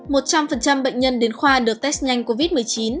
một trăm linh bệnh nhân đến khoa được test nhanh covid một mươi chín